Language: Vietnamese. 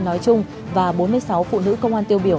nói chung và bốn mươi sáu phụ nữ công an tiêu biểu